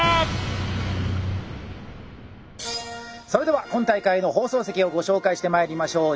それでは今大会の放送席をご紹介してまいりましょう。